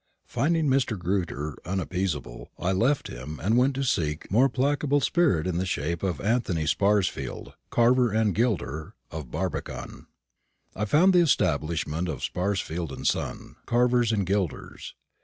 Finding Mr. Grewter unappeasable, I left him, and went to seek a more placable spirit in the shape of Anthony Sparsfield, carver and gilder, of Barbican. I found the establishment of Sparsfield and Son, carvers and gilders.